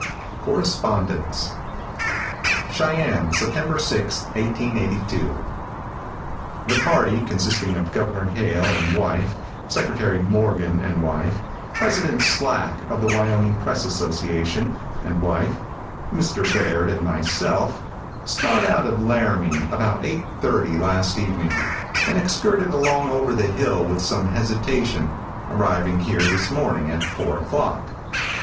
CORRESPONDENCE. Cheyenne, September 6, 1882. |THE party, consisting of Governor Hale and wife, Secretary Morgan and wife, President Slack, of the "Wyoming Press Association, and wife, Mr. Baird and myself, started out of Laramie, about 8:30 last evening, and excurted along over the hill with some hesitation, arriving here this morning at four o'clock.